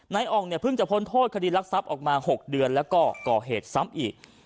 นายอองเพิ่งจะพ้นโทษคดีลักษับออกมา๖เดือนแล้วก็ก่อเหตุซ้ำอีก